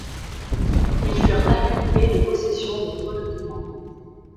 Ils furent inculpés de possession de faux documents.